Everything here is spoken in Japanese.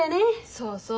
そうそう。